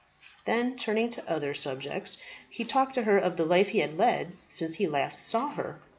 Then turning to other subjects, he talked to her of the life he had led since he last saw her.